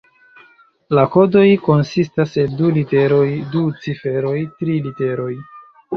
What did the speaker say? La kodoj konsistas el du literoj, du ciferoj, tri literoj.